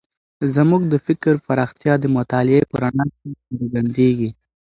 زموږ د فکر پراختیا د مطالعې په رڼا کې څرګندېږي.